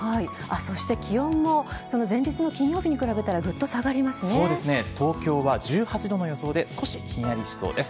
そして気温も前日の金曜日に比べると東京は１８度の予想で少しひんやりしそうです。